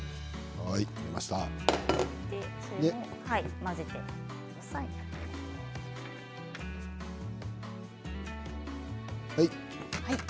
混ぜてください。